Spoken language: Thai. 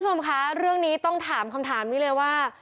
คุณผู้ชมคะเรื่องนี้ต้องถามคำถามนี้เลยว่า